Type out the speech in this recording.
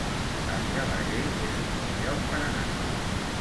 Argelaguer es un bon lloc per anar-hi